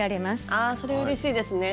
あそれうれしいですね。